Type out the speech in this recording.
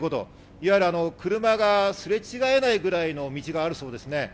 車がすれ違えないぐらいの道があるそうです。